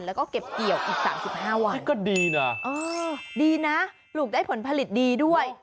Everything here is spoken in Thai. แล้วก็เก็บเกี่ยวอีกสามสิบห้าวันก็ดีน่ะอ๋อดีน่ะปลูกได้ผลผลิตดีด้วย